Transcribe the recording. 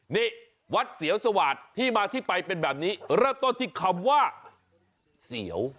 นี่วัดเสียวสวาสที่มาที่ไปเป็นแบบนี้เริ่มต้นที่คำว่าเสียว